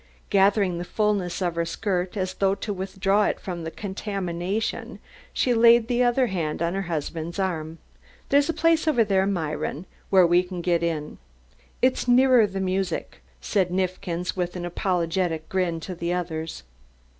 Gathering the fullness of her skirt as though to withdraw it from contamination she laid the other hand on her husband's arm: "There's a place over there, Myron, where we can get in." "It's nearer the music," said Neifkins with an apologetic grin to the others.